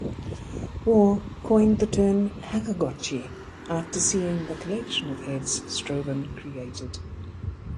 Waugh coined the term "hackergotchi" after seeing the collection of heads Stroven created.